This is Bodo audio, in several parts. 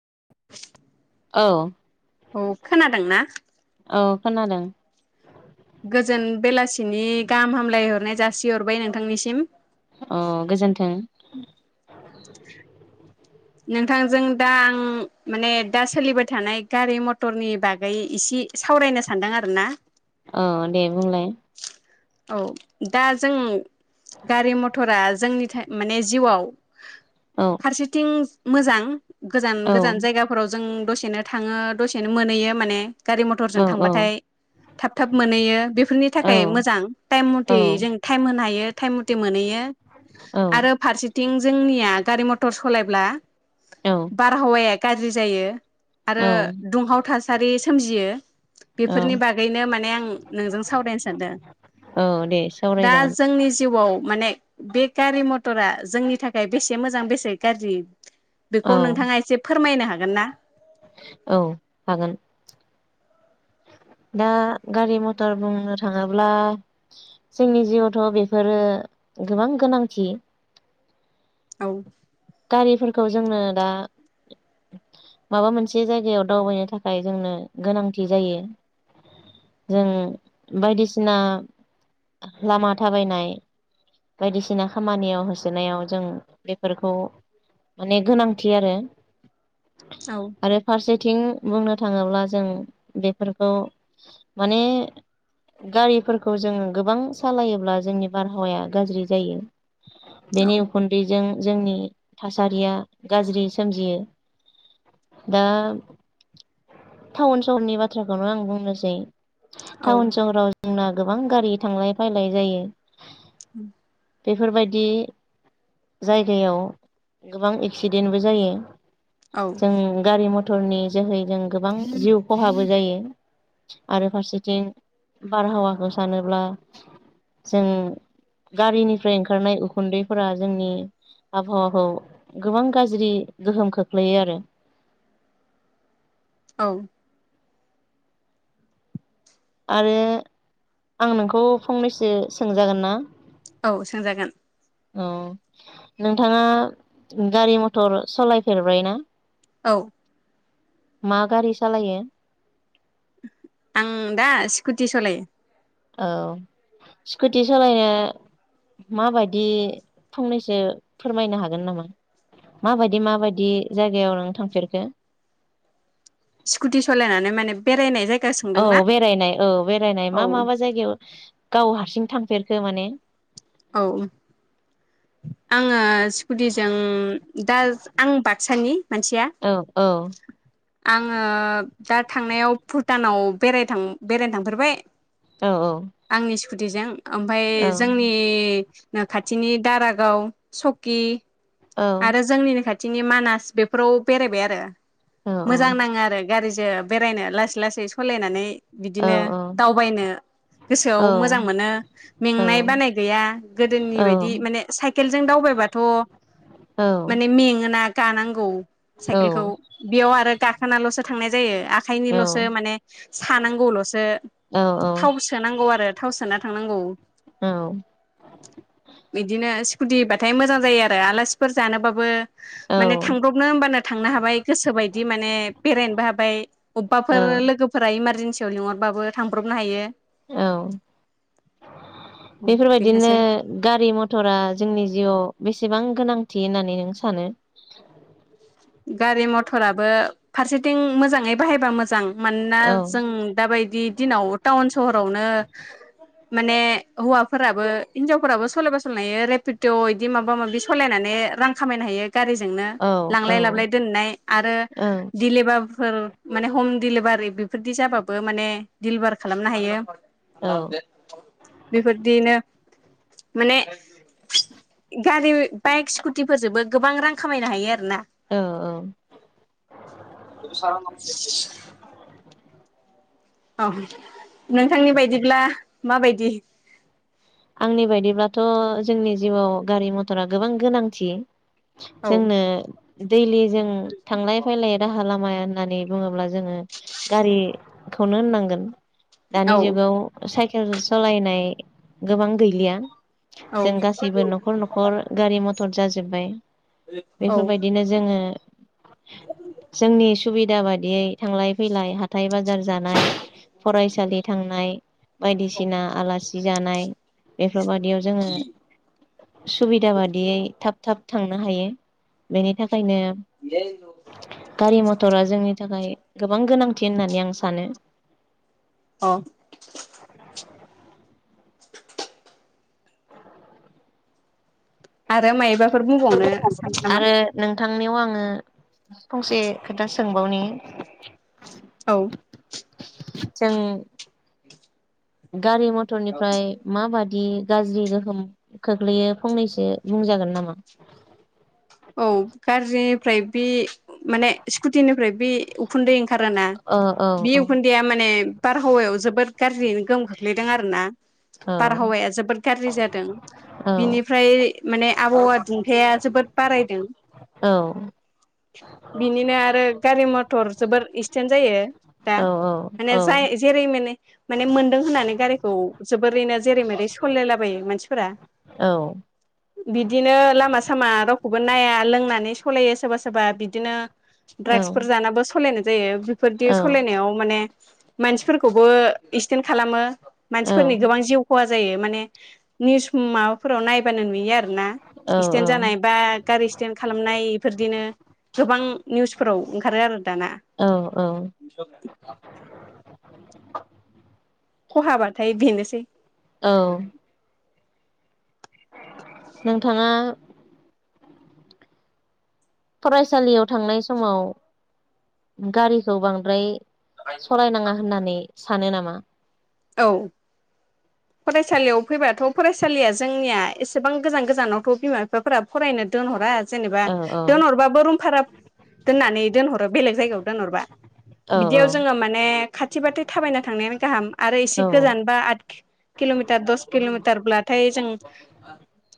[unintelligible] औ औ खोनादोंना? औ खोनादों। गोजोन बेलासिनि गाहाम हामलाय हरनाय जासिहरबाय नोंथांनिसिम। अ गोजोन्थों। नोंथांजों दा आं माने दा सोलिबाय थानाय गारि मथरनि बागै इसे सावरायनो सानदों आरो ना औ दे बुंलाय। औ दा जों गारि मथरा जोंनि माने जिउआव औ फारसेथिं मोजां गोजान औ गोजान जायगाफोराव जों दसेनो थाङो दसेनो मोनहैयो माने गारि मथरजों औ औ थांबाथाय थाब थाब मोनहैयो बेफोरनि औ थाखाय मोजां टाइम मथे जों टाइम होनो हायो टाइम मथे मोनहैयो औ आरो फारसेथिं जोंनिया गारि मथ अट सलायब्ला औ बारहावाया गाज्रि जायो। आरो दुंहाव थासा सारि सोमजियो। औ बेफोरनि बागैनो माने आं नोंजों सावरायनो सानदों औ दे दा सावरायजागोन जोंनि जिउआव माने बे गारि मटरा जोंनि थाखाय बेसे मोजां बेसे गाज्रि। बेखौ औ नोंथाङा एसे फोरमायनो हागोन। हागोन ना औ हागोन। दा गारि मटर बुंनो थाङोब्ला जोंनि जिउआवथ बेफोरो गोबां गोनांथि औ गारिफोरखौ जोंनो दा माबा मोनसे जायगायाव दावबायनो थाखाय जोंनो गोनांथि जायो जों बायदिसिना लामा थाबायनाय बायदिसिना खामानियाव होसोनायाव जों बेफोरखौ माने गोनांथि आरो औ आरो फारसे- बिथिं बुंनो थाङोब्ला जों बेफोरखौ माने गारिफोरखौ जोङो गोबां सालायोब्ला जोंनि बारहावाया गाज्रि जायो। औ बेनि उखुन्दैजों जोंनि थासारिया गाज्रि सोमजियो दा टाउन सहरनि बाथ्राखौनो आं बुंनोसै औ थाउन सहराव जोंना गोबां गारि थांलाय फैलाय जायो [inaudible] बेफोरबायदि जायगायाव गोबां एक्सिडेन्टबो जायो। औ जों गारि म टरनि जोहै जों गोबां जिउ खहाबो जायो आरो फारसेथिं बारहावाखौ सानोब्ला जों गारिनिफ्राय ओंखारनाय उखुन्दैफोरा जोंनि आबहावा खौ गोबां गाज्रि गोहोम खोख्लैयो आरो औ आरो आं नोंखौ फंनैसो सोंजागोन ना? औ सोंजागोन। औ नोंथांङा गारि मथर सलायफेरबाय ना? औ मा गारि सालायो? आं दा स्कुटि सलायो। औ स्कुटि सालायनो माबायदि फंनैसो फोरमायनो हागोन नामा माबायदि माबायदि जायगायाव नों थांफेरखो? स्कुटि सलायनानै माने बेरायनाय जायगा औ सोंदोंना बेरायनाय औ बेरायनाय औ मा माबा जायगायाव गाव हारसिं थांफेरखो माने औ आङो स्कुटिजों दा आं बाक्सानि मानसिया औ औ आङो दा थांनायाव भुटानाव बेरायथां बेरायनो थांफेरबाय औ औ कुतिजों ओमफाय जोंनि नि खाथिनि दारागाव सकि औ आरो जोंनिनो खा थिनि मानास बेफोराव बेरायबाय आरो औ मोजां नाङो आरो गारि जो बेरायनो लासै लासै सलायनानै औ बिदिनो दावबायनो औ गोसोआव मोजां मोनो औ मेंनाय बानाय गैया औ गोदोनि बायदि माने साइकेलजों दावबायबाथ औ माने मेङोना गानांगौ साइकेलखौ बेयाव आरो गाखोनालसो थांनाय जायो आखाइनिलसो माने सानांगौलसो औ थाव सोनांगौ आरो थाव सोना थांनांगौ [inaudible] बिदिनो स्कु कुतिबाथाय मोजां जायो आरो आलासिफोर जानोबाबो औ माने थांब्रबनो होनबानो थांनो हाबाय गोसोबायदि माने बेरायनोबो हाबाय अबेबाफोर लोगोफोरा इमारजे जेन्सियाव लिंहरबाबो थांब्रबनो हायो। औ बेफोरबायदिनो बेनोसै गारि मथरा जोंनि जिउआव बेसेबां गोनांथि होननानै नों सानो? गारि मथराबो फारसेथिं मोजांङै बाहायबा मोजां मानोना औ जों दाबायदि दिनाव टाउन सहरावनो माने हौवाफोराबो हिनजावफोराबो सलायबा सलायनो हायो रेपित इदि माबा माबि सलायनानै रां खामायनो हायो। गारिजोंनो औ औ लांलाय लाब लाय दोननाय आरो दिलेबा फोर माने हम डिलिभारि बेफोरदि जाबाबो माने डिलबार खालामनो हायो। औ बेफोरदिनो माने गारि बाइक स्कुटिफोरजोंबो गोबां रां खामायनो हायो आरोना औ औ [unintelligible] ओम नोंथांनि बायदिब्ला माबायदि? आंनि बायदिब्लाथ जोंनि जिउआव गारि मथरा गोबां गोनांथि। औ जोंनो दैलि जों थांलाय फैलाय राहा लाम माया होननानै बुङोब्ला जोङो गारि खौनो होननांगोन दानि औ जुगाव साइखे खेल सालायनाय गोबां गैलिया। औ जों गासैबो नखर नखर गारि मथ टर जाजोबबाय। औ बेफोरबायदिनो जोङो जोंनि सुबिदा बायदियै थांलाय फैलाय हाथाय बाजार जानाय फरायसालि थांनाय बायदिसिना आलासि जानाय। बादियाव जोङो सुबिदा बादियै थाब थाब थांनो हायो बेनि थाखा खायनो गारि मथरा जोंनि थाखाय गोब गोबां गोनांथि होननानै आं सानो। अ। आरो मायबा फोर बुंबावनो सानदो नामा। थांनायाव आङो फंसे खोथा सोंबावनि औ। जों गारि मथरनिफ्राय माबादि बिदि गाज्रि गोहोम खोख्लैयो फंनैसो बुंजागोन नामा। औ [unintelligible] बि माने स्कुटिनिफ्राय बे उखुन्दै ओं ना औ बे औ उखुन्दैया माने बारहावायाव जोबोद गाज्रियैनो गोहोम खोख्लैदों आरो ना। औ बारहावाया जोबोद गाज्रि जादों औ बिनिफ्राय माने आबहावा दुंखाया जोबोद बारायदों औ बिनिनो आरो गारि मथर जोबोर इक्सिडेन्ट जायो दा औ माने औ जाय जेरै मोनो माने मोनदों होननानै गारिखौ जोबोरैनो जेरै मेरै साललायलाबायो मानसिफोरा औ बिदिनो लामा सामा रख नाया लोंनानै सालायो सोरबा सोरबा बिदिनो ड्राग्सफोर जानाबो सालायनाय जायो बेफोरदि सालायनायाव माने मानसिफोरखौबो एक्सिडेन्ट खालामो मानसिफोरनि गोबां जिउ खहा जायो माने निउस माबाफोराव नायबानो नुयो आरो। ना एक्सिदेन्ट जानाय बा गारि एक्सिडेन्ट खालामनाय बेफोरदिनो गोबां निउसफोराव ओंखारो आरो दाना। औ औ खहाबाथाय बेनोसै औ नोंथाङा फरायसालियाव। थांनाय समाव। गारिखौ बांद्राय। सलायनाङा होननानै सानो नामा। [inaudible] औ फरायसालियाव फैबाथ फरायसालिया जोंनिया एसेबां गोजान गोजानावथ बिमा बिफाफोरा फरायनो दोनहरा। जेनेबा औ दोनहरबाबो रुम भारा दोननानै दोनहरो बेलेग जायगायाव। दोनहरबा। औ बिदियाव जोङो माने खाथि बाथ थाबायना थांनायानो गाहाम। एसे औ गोजानबा आत किलमिार दस किलमिटार ब्लाथाय। जों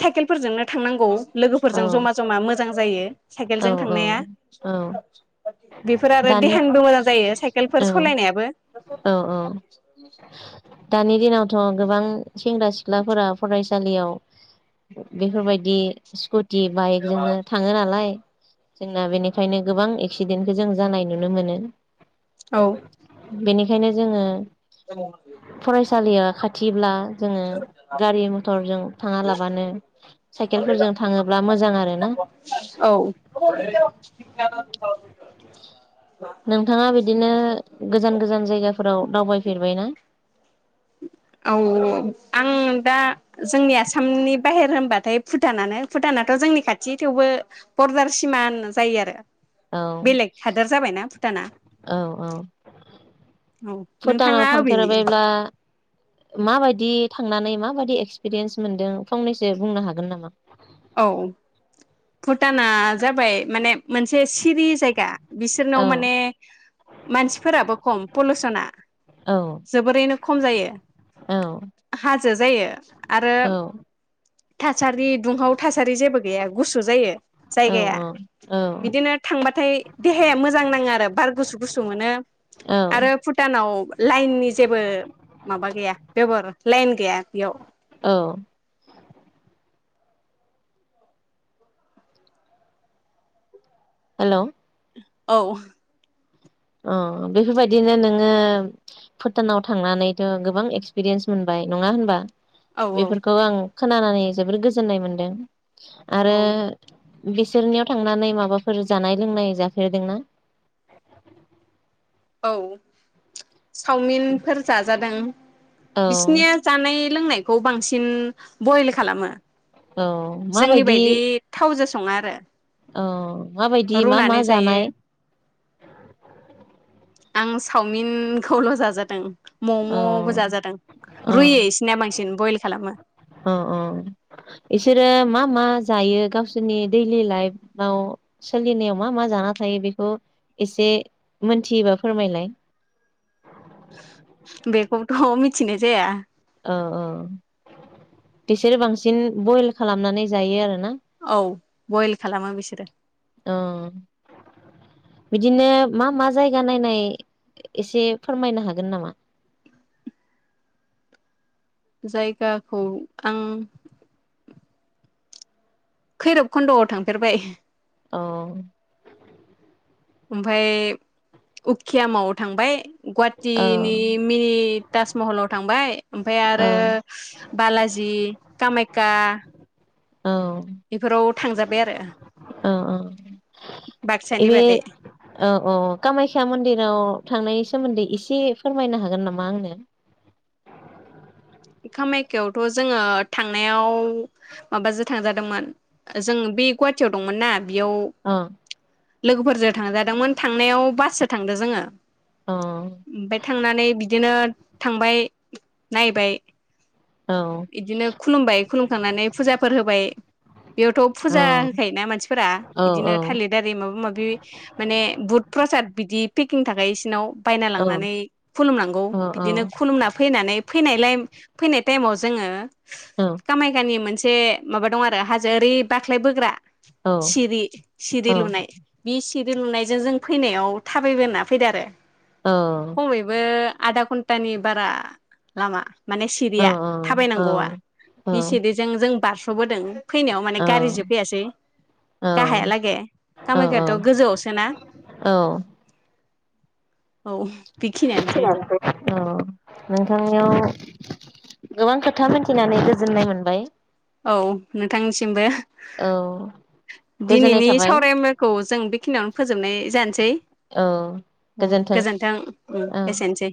साइकेल फोरजोंनो थांनांगौ। लोगोफोरजों जमा जमा मोजां जायो औ साइकेलजों थांनाया औ औ बेफोर आरो दानि देहानिबो मोजां जायो औ साइकेलफोर सालायनायाबो। औ औ [inaudible] दानि दिनावथ गोबां सेंग्रा सिख्लाफोरा फरायसालियाव बेफोरबायदि स्कुट दि बाइकजोंनो थाङो नालाय जोंना बेनिखायनो गोबां एक्सिडेन्टखो जों जानाय नुनो मोनो औ। बेनिखायनो जोङो [unintelligible] सालिया खाथिब्ला जोङो गारि मथरजों थाङा लाबानो साइकेलफोरजों थाङोब्ला मोजां आरो ना औ [unintelligible] [unintelligible] नोंथाङा बिदिनो गोजान-गोजान जायगाफोराव दावबाय फेरबायना। औ आं दा जोंनि आसामनि बाहेर होनबाथाय भुटानानो भुटानाथ जोंनि खाथि थेवबो बरदार सिमा होना जायो आरो। औ बेलेग हादोर जाबायना भुटाना औ औ औ नोंथाङा अबेनि। मा बायदि थांनानै मा बायदि एक्सपिरियेन्स मोनदों फंनैसो बुंनो हागोन नामा। औ भुटाना जाबाय माने मोनसे सिरि जायगा बिसोरनाव औ माने मानसिफोराबो खम पलसना औ जोबोरैनो खम जायो। औ हाजो जायो आरो औ थासारि दुंहाव थासारि जेबो गैया गुसु जायो औ जायगाया औ बिदिनो थांबाथाय। देहाया मोजां नाङो आरो बार गुसु गुसु मोनो। औ आरो भुटानाव लाइननि जेबो माबा गैया बेबहार लाइन गैया बेयाव औ हेलौ औ अ बेफोर बायदिनो नोङो भुटानाव थांनानैथ गोबां एक्सपिरियेन्स मोनबाय नङा होनबा? औ औ बेफोरखौ आं खोनानानै जोबोर गोजोननाय मोन्दों। आरो औ बिसोरनियाव थांनानै माबाफोर जानाय लोंनाय जाफेरदोंना? औ सावमिनफोर जा जादों। औ बिसिनिया जानाय लोंनायखौ बांसिन बयेल खालामो। औ मा बायदि? सङो आरो औ माबायदि मा मा रुनानै जायो जानाय? आं सावमिनखौल जाजादों। औ ममबो जाजादों रुयो इसिनिया बांसिन बयेल खालामो। अ अ इसोरो मा मा जायो, गावसोरनि दैलि लायेफआव सोलिनायाव मा मा जाना थायो बेखौ इसे मोनथियोबा फोरमायलाय। बेखौथ मिथिनाय जाया। औ औ बिसोरो बांसिन बयेल खालामनानै जायो आरो औ बयेल खालामो बिसोरो। अ बिदिनो मा मा जायगा नायनाय इसे फोरमायनो हागोन नामा? जायगाखौ आं खैरोब खुन्दआव थांफेरबाय औ ओमफाय उखियामआव थांबाय। औ गुवाटिनि मिनि ताजमहलाव थांबाय ओमफाय आरो औ बालाजि, कामायका औ बेफोराव थांजाबाय आरो। ओ ओ बाक्सानि इबे बादै औ औ कामाख्या मन्दिराव थांनायनि सोमोन्दै इसे फोरमायनो हागोन नामा आंनो। कामाख्यावथ जोङो थांनायाव माबाजों थांजादोंमोन जों बे गुवाटियाव दंमोन ना बेयाव अ लोगोफोरजो थांजादोंमोन थांनायाव बास जो थांदों जोंङो। अ ओमबाय थांनानै बिदिनो थांबाय नायबाय औ इदिनो खुलुमबाय, खुलुमखांनानै फुजाफोर होबाय, बेयावथ औ फुजा होखायोना मानसिफोरा औ इदिनो थालिद आरि माबा माबि माने बुद प्रसाद बिदि पेकिं थाखायो इसिनाव बायना औ लांनानै खुलुमनांगौ औ बिदिनो खुलुमना फैनानै फैनायलाय फैनाय टेमाव जोंङो औ कामायखानि मोन से माबा दं आरो हाजो ओरै बाख्लाय बोग्रा सिरि सिरि औ लुनाय बि सिरि लुनायजों जों फैनायाव थाबायबोना फैदो आरो। खमैबो आदा घन्टानि बारा लामा माने सिरिया औ थाबाय औ नांगौआ औ बिसेदिजों जों बारस थबो दों फैनायाव माने गारिजों फैयासै गाहायालागै कामाख्या थ गोजौआवसोना अ नोंथांनियाव गोबां खोथा मोथिनानै गोजोननाय मोनबाय औ नोंथांनिसिमबो औ गोजोननाय दिनैनि थाबाय सावराय मेलखौ जों बेखिनियावनो फोजोबनाय जानोसै औ अ गोजोन्थों गोजोनथों उम औ एसेनोसै।